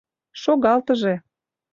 Шогалтыже.